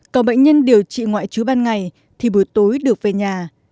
còn bệnh nhân điều trị ngoại trú ban ngày thì buổi tối được về nhà